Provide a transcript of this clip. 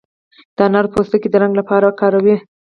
د انارو پوستکي د رنګ لپاره کاروي.